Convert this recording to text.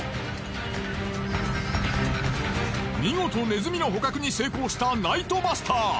見事ネズミの捕獲に成功したナイトバスター。